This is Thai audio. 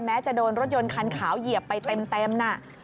จะโดนรถยนต์คันขาวเหยียบไปเต็มน่ะ